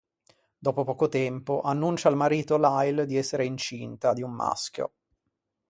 Dopo poco tempo annuncia al marito Lyle di essere incinta, di un maschio.